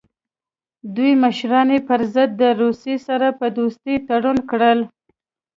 دوی مشران یې پر ضد د روسیې سره په دوستۍ تورن کړل.